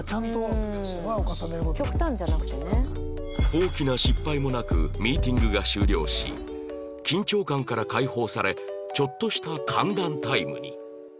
大きな失敗もなくミーティングが終了し緊張感から解放されちょっとした歓談タイムに